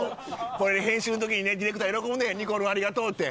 これ編集の時にねディレクター喜ぶねんにこるんありがとうって。